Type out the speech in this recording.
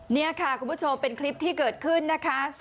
นี่ค่ะคุณผู้ชมเป็นคลิปที่เกิดขึ้นนะคะ